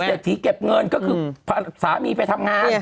ก็คือเศรษฐีเก็บเงินก็คือสามีไปทำงาน